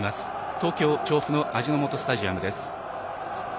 東京・調布の味の素スタジアムです。